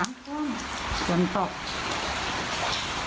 แต่มากก็ได้แค่พี่ผู้ชมก็จะแสดง